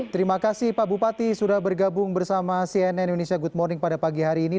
terima kasih pak bupati sudah bergabung bersama cnn indonesia good morning pada pagi hari ini